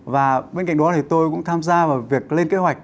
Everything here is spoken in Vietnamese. và bên cạnh đó thì tôi cũng tham gia vào việc lên kế hoạch